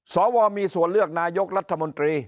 สวมีส่วนเลือกนายกรัฐมนตรี